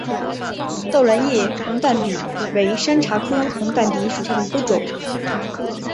倒卵叶红淡比为山茶科红淡比属下的一个种。